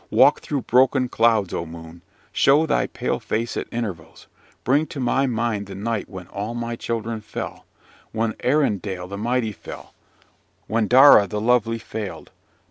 Walk through broken clouds, O moon! show thy pale face at intervals; bring to my mind the night when all my children fell, when Arindal the mighty fell when Daura the lovely failed.